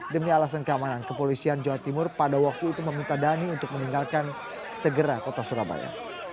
demi alasan keamanan kepolisian jawa timur pada waktu itu meminta dhani untuk meninggalkan segera kota surabaya